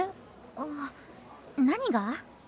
あ何が？